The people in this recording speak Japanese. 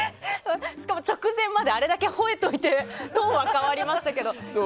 しかも直前まであれだけ吠えといてトーンは変わりましたけど。